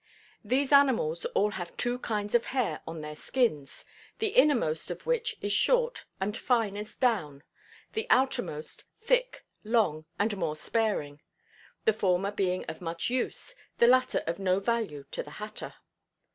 These animals all have two kinds of hair on their skins, the innermost of which is short and fine as down, the outermost, thick, long and more sparing, the former being of much use, the latter of no value to the hatter.